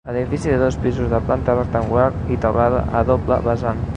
Edifici de dos pisos de planta rectangular i teulada a doble vessant.